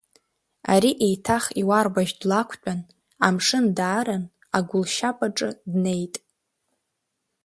Ари еиҭах иуарбажә длақәтәан, амшын даарын, агәылшьап аҿы днеит.